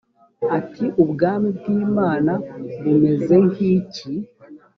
ati ubwami bw imana bumeze nk iki